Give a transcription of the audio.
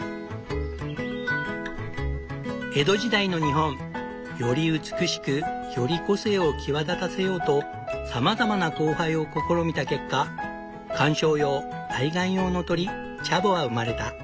江戸時代の日本。より美しくより個性を際立たせようとさまざまな交配を試みた結果観賞用・愛玩用の鳥チャボは生まれた。